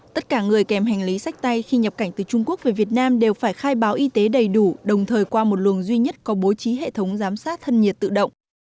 tất cả người kèm hành lý sách tay khi nhập cảnh từ trung quốc về việt nam đều phải khai báo y tế đầy đủ đồng thời qua một luồng duy nhất có bố trí hệ thống giám sát thân nhiệt tự động